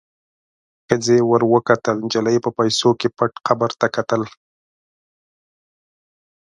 ښخې ور وکتل، نجلۍ په پیسو کې پټ قبر ته کتل.